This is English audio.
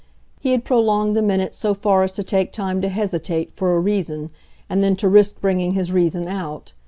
He had prolonged the minute so far as to take time to hesitate, for a reason, and then to risk bringing his reason out.